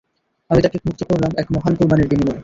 আমি তাকে মুক্ত করলাম এক মহান কুরবানীর বিনিময়ে।